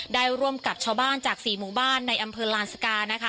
ได้ร่วมกับชาวบ้านจากสี่หมู่บ้านในอำเภอลานสกา